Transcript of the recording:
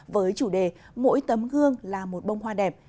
với chủ đề mỗi tấm gương là một bông hoa đẹp